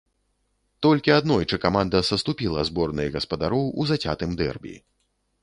Толькі аднойчы каманда саступіла зборнай гаспадароў у зацятым дэрбі.